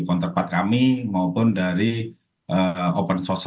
counterpart kami maupun dari open social